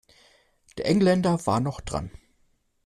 Der Engländer war noch dran.